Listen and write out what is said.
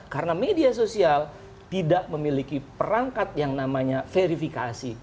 karena media sosial tidak memiliki perangkat yang namanya verifikasi